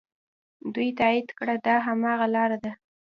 دوی تایید کړه دا هماغه لاره ده.